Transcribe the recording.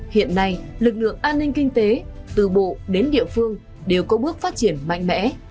hiện nay lực lượng an ninh kinh tế từ bộ đến địa phương đều có bước phát triển mạnh mẽ